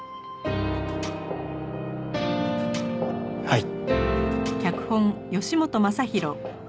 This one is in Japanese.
はい。